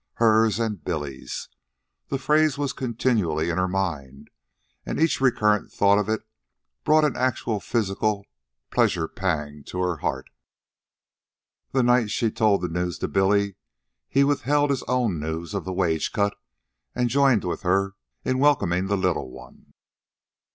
HERS AND BILLY'S! The phrase was continually in her mind, and each recurrent thought of it brought an actual physical pleasure pang to her heart. The night she told the news to Billy, he withheld his own news of the wage cut, and joined with her in welcoming the little one.